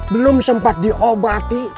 belum sempat diobati